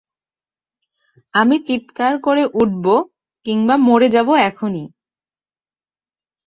আমি চিৎকার করে উঠব কিংবা মরে যাব এখুনি।